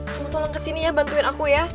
kamu tolong kesini ya bantuin aku ya